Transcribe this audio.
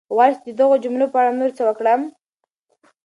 غواړې چې د دغو جملو په اړه نور څه وکړم؟